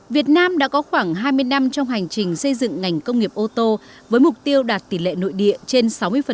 việt nam đã có khoảng hai mươi năm trong hành trình xây dựng ngành công nghiệp ô tô với mục tiêu đạt tỷ lệ nội địa trên sáu mươi